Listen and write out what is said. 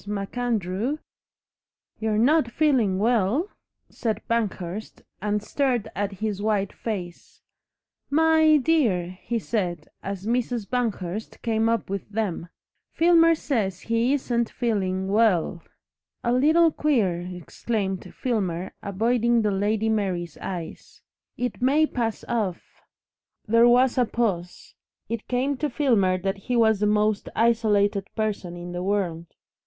MacAndrew " "You're not feeling WELL?" said Banghurst, and stared at his white face. "My dear!" he said, as Mrs. Banghurst came up with them, "Filmer says he isn't feeling WELL." "A little queer," exclaimed Filmer, avoiding the Lady Mary's eyes. "It may pass off " There was a pause. It came to Filmer that he was the most isolated person in the world.